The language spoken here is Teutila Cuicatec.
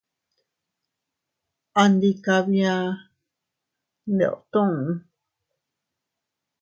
Andi kabia ndeeootuu.